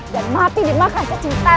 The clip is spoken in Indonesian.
dan mati dimakan secinta